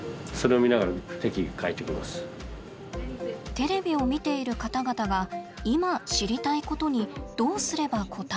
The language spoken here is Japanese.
テレビを見ている方々が今知りたいことにどうすれば応えられるのか。